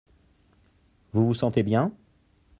Vous vous sentez bien ?